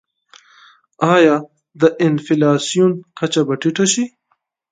آیا د انفلاسیون کچه به ټیټه شي؟